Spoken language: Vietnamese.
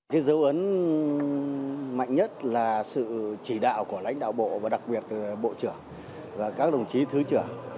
cái dấu ấn mạnh nhất là sự chỉ đạo của lãnh đạo bộ và đặc biệt bộ trưởng và các đồng chí thứ trưởng